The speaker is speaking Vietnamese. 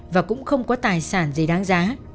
và cũng không có tài sản gì đáng giá